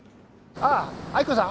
ああ亜希子さん？